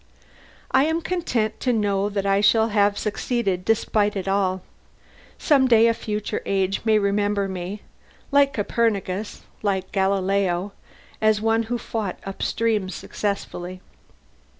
I am content to know that I shall have succeeded despite it all. Some day a future age may remember me, like Copernicus, like Galileo, as one who fought upstream successfully."